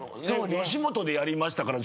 吉本でやりましたから。